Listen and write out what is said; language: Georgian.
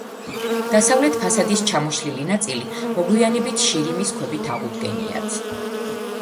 დასავლეთ ფასადის ჩამოშლილი ნაწილი მოგვიანებით შირიმის ქვებით აღუდგენიათ.